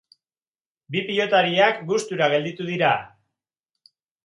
Bi pilotariak gustura gelditu dira.